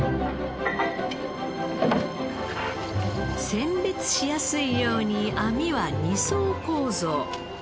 選別しやすいように網は２層構造。